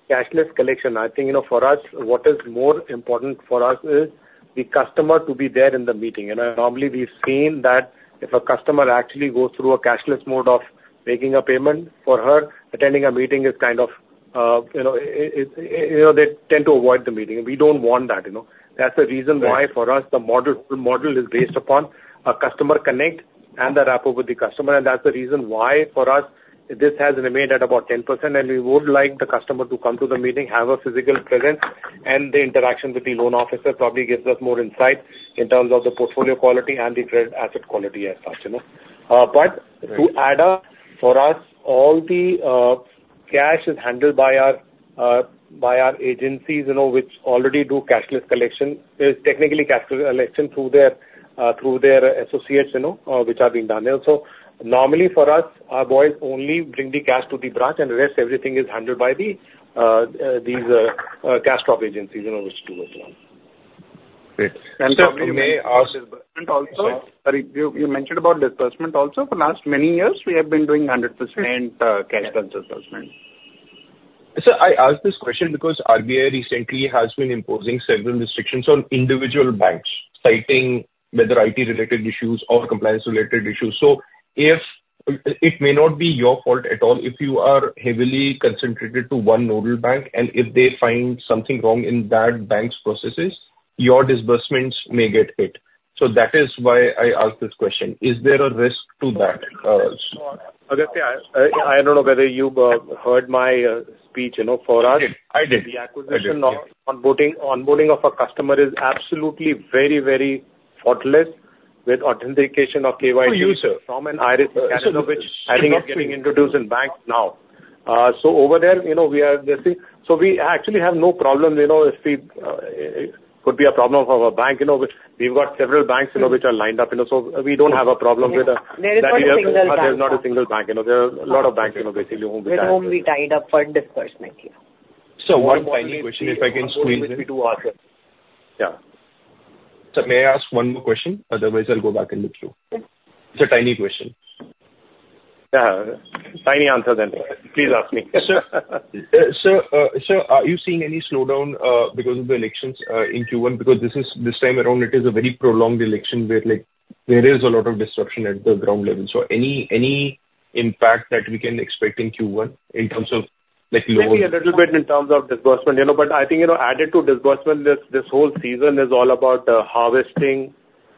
cashless collection, I think, you know, for us, what is more important for us is the customer to be there in the meeting. You know, normally we've seen that if a customer actually goes through a cashless mode of making a payment, for her, attending a meeting is kind of, you know, you know, they tend to avoid the meeting. We don't want that, you know. That's the reason- Right. Why, for us, the model, the model is based upon a customer connect and the rapport with the customer, and that's the reason why, for us, this has remained at about 10%, and we would like the customer to come to the meeting, have a physical presence, and the interaction with the loan officer probably gives us more insight in terms of the portfolio quality and the credit asset quality as such, you know. But- Right. To add up, for us, all the cash is handled by our agencies, you know, which already do cashless collection. It is technically cashless collection through their associates, you know, which are being done there. So normally for us, our boys only bring the cash to the branch and the rest, everything is handled by the these cash drop agencies, you know, which do those ones. Great. And so you may ask- Also, sorry, you mentioned about disbursement also. For last many years, we have been doing 100% cash disbursement. Sir, I ask this question because RBI recently has been imposing several restrictions on individual banks, citing whether IT-related issues or compliance-related issues. So if it may not be your fault at all, if you are heavily concentrated to one nodal bank, and if they find something wrong in that bank's processes, your disbursements may get hit. So that is why I ask this question. Is there a risk to that? Agastya, I don't know whether you heard my speech, you know, for us. I did. I did. The acquisition of onboarding of a customer is absolutely very, very faultless with authentication of KYC- Per user. from an iris, which I think is being introduced in banks now. So over there, you know, we are basically... So we actually have no problem, you know, if we could be a problem of a bank, you know, but we've got several banks, you know, which are lined up, you know, so we don't have a problem with, There is not a single bank. There's not a single bank, you know, there are a lot of banks, you know, basically, whom we- With whom we tied up for disbursement. Yeah. So one tiny question, if I can squeeze in? Yeah. Sir, may I ask one more question? Otherwise, I'll go back in the queue. Sure. It's a tiny question. Yeah. Tiny answer then. Please ask me. Sir, sir, are you seeing any slowdown because of the elections in Q1? Because this is, this time around, it is a very prolonged election where, like, there is a lot of disruption at the ground level. So any, any impact that we can expect in Q1 in terms of like lower- Maybe a little bit in terms of disbursement, you know, but I think, you know, added to disbursement, this, this whole season is all about harvesting.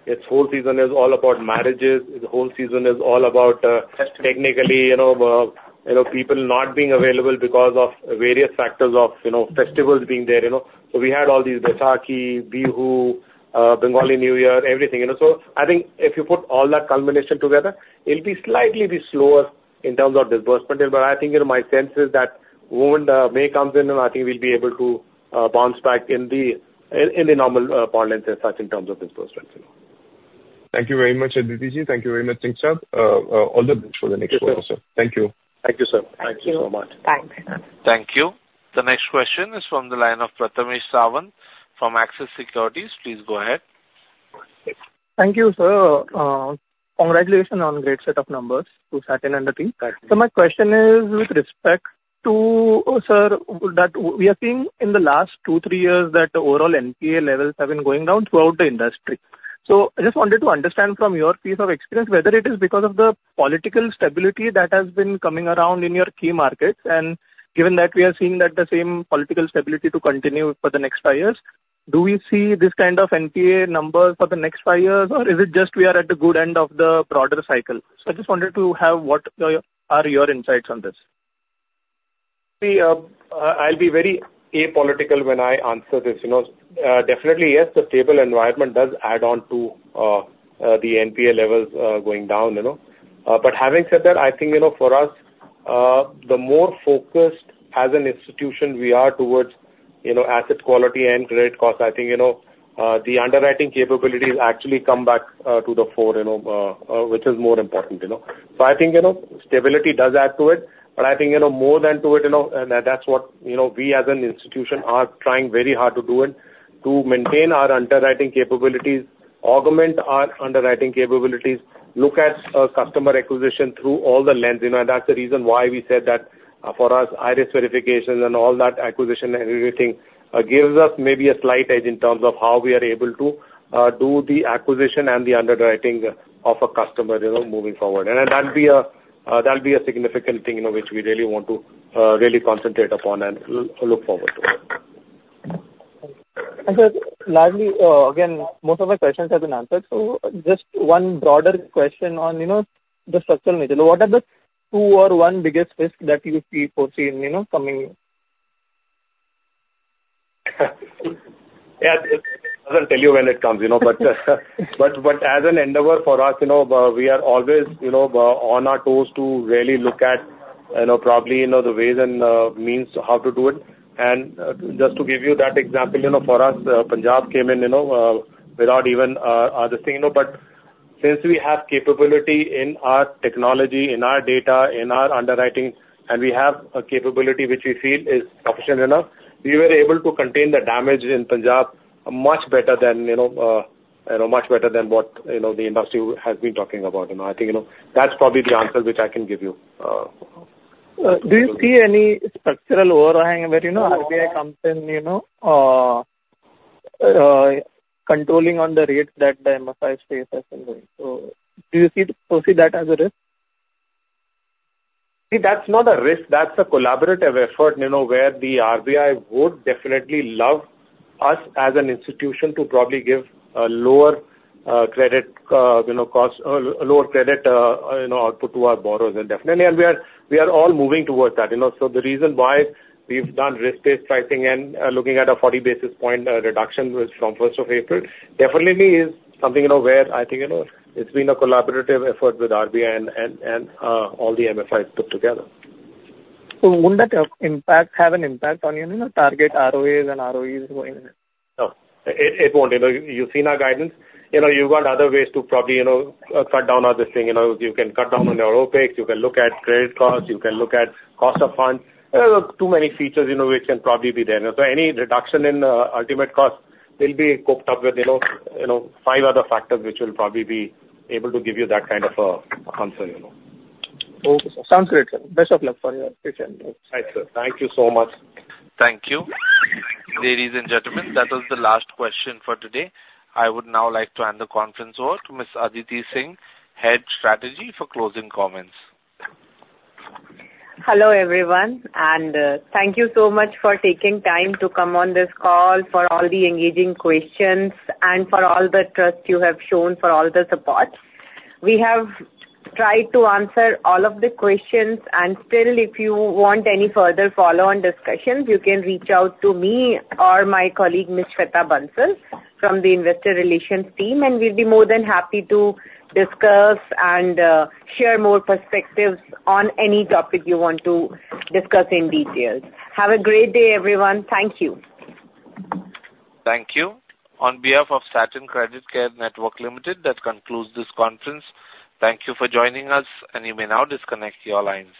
This whole season is all about marriages. This whole season is all about- Festive... technically, you know, you know, people not being available because of various factors of, you know, festivals being there, you know. So we had all these Baisakhi, Bihu, Bengali New Year, everything, you know. So I think if you put all that culmination together, it'll be slightly slower in terms of disbursement. But I think, you know, my sense is that moment, May comes in, and I think we'll be able to, bounce back in the normal parlance as such in terms of disbursements, you know. Thank you very much, Aditi. Thank you very much, Singh sir. All the best for the next quarter, also. Yes, sir. Thank you. Thank you, sir. Thank you. Thank you so much. Thanks. Thank you. The next question is from the line of Prathamesh Sawant from Axis Securities. Please go ahead. Thank you, sir. Congratulations on great set of numbers to Satin and the team. Thank you. So my question is with respect to, sir, that we are seeing in the last 2-3 years, that the overall NPA levels have been going down throughout the industry. So I just wanted to understand from your piece of experience, whether it is because of the political stability that has been coming around in your key markets, and given that we are seeing that the same political stability to continue for the next 5 years, do we see this kind of NPA numbers for the next 5 years, or is it just we are at the good end of the broader cycle? So I just wanted to have what are your, are your insights on this? See, I'll be very apolitical when I answer this. You know, definitely, yes, the stable environment does add on to, the NPA levels, going down, you know. But having said that, I think, you know, for us, the more focused as an institution we are towards, you know, asset quality and credit costs, I think, you know, the underwriting capabilities actually come back, to the fore, you know, which is more important, you know. So I think, you know, stability does add to it, but I think, you know, more than to it, you know, and that's what, you know, we as an institution are trying very hard to do it, to maintain our underwriting capabilities, augment our underwriting capabilities, look at, customer acquisition through all the lens. You know, that's the reason why we said that, for us, iris verifications and all that acquisition and everything, gives us maybe a slight edge in terms of how we are able to do the acquisition and the underwriting of a customer, you know, moving forward. And that'll be a, that'll be a significant thing, you know, which we really want to really concentrate upon and look forward to it. Sir, lastly, again, most of my questions have been answered. Just one broader question on, you know, the structural measure. What are the two or one biggest risk that you see foreseen, you know, coming? Yeah, it doesn't tell you when it comes, you know, but as an endeavor for us, you know, we are always, you know, on our toes to really look at, you know, probably, you know, the ways and means how to do it. And just to give you that example, you know, for us, Punjab came in, you know, without even the thing, you know. But since we have capability in our technology, in our data, in our underwriting, and we have a capability which we feel is sufficient enough, we were able to contain the damage in Punjab much better than, you know, much better than what, you know, the industry has been talking about. You know, I think, you know, that's probably the answer which I can give you. Do you see any structural overhang where, you know, RBI comes in, you know, controlling on the rates that the MFIs face as well? So do you see, foresee that as a risk? See, that's not a risk. That's a collaborative effort, you know, where the RBI would definitely love us as an institution to probably give a lower, credit, you know, cost, lower credit, you know, output to our borrowers. And definitely, and we are, we are all moving towards that, you know. So the reason why we've done risk-based pricing and, looking at a 40 basis point, reduction from first of April, definitely is something, you know, where I think, you know, it's been a collaborative effort with RBI and, and, and, all the MFIs put together. So wouldn't that have an impact on, you know, target ROAs and ROEs going ahead? No, it won't. You know, you've seen our guidance. You know, you've got other ways to probably, you know, cut down on this thing. You know, you can cut down on your OpEx, you can look at credit costs, you can look at cost of funds. Too many features, you know, which can probably be there. So any reduction in ultimate cost will be coupled with, you know, you know, five other factors, which will probably be able to give you that kind of answer, you know. Okay. Sounds great, sir. Best of luck for your future. Thanks, sir. Thank you so much. Thank you. Ladies and gentlemen, that was the last question for today. I would now like to hand the conference over to Miss Aditi Singh, Head Strategy, for closing comments. Hello, everyone, and thank you so much for taking time to come on this call, for all the engaging questions, and for all the trust you have shown, for all the support. We have tried to answer all of the questions, and still, if you want any further follow-on discussions, you can reach out to me or my colleague, Ms. Shweta Bansal, from the investor relations team, and we'll be more than happy to discuss and share more perspectives on any topic you want to discuss in details. Have a great day, everyone. Thank you. Thank you. On behalf of Satin Creditcare Network Limited, that concludes this conference. Thank you for joining us, and you may now disconnect your lines.